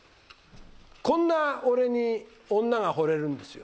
こんな俺に女がほれるんですよ。